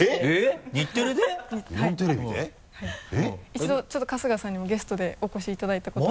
一度ちょっと春日さんにもゲストでお越しいただいたことが。